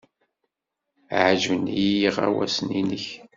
Ɛejben-iyi yiɣawasen-nnek.